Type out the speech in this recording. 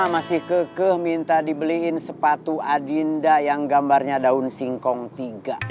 masih kekeh minta dibeliin sepatu adinda yang gambarnya daun singkong tiga